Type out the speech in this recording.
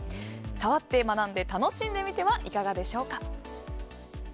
触って学んで楽しんでみてはいかがでしょうか？